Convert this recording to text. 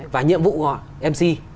và nhiệm vụ họ mc